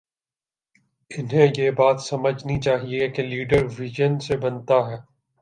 انہیں یہ بات سمجھنی چاہیے کہ لیڈر وژن سے بنتا ہے۔